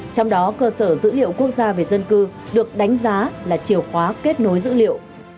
trong đó cơ sở dữ liệu quốc gia về dân cư được đánh giá là chiều khóa kết nối dữ liệu